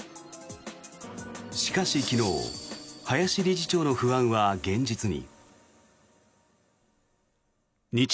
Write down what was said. しかし、昨日林理事長の不安は現実に。